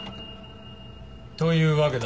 というわけだ。